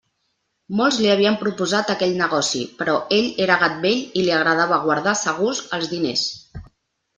Molts li havien proposat aquell negoci; però ell era gat vell i li agradava guardar segurs els diners.